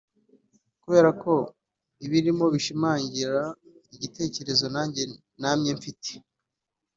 Kubera ko ibirimo bishimangira igitekerezo nanjye namye mfite